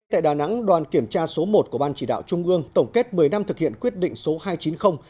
tại đà nẵng đoàn kiểm tra số một của ban chỉ đạo trung ương tổng kết một mươi năm thực hiện quyết định số hai trăm chín mươi